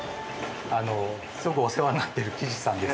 すごくお世話になってる木地師さんです。